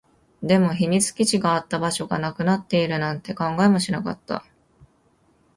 でも、秘密基地があった場所がなくなっているなんて考えもしなかった